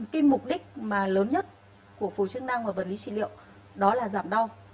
cái mục đích mà lớn nhất của phủ chức năng và vật lý trị liệu đó là giảm đau